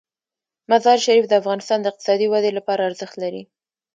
مزارشریف د افغانستان د اقتصادي ودې لپاره ارزښت لري.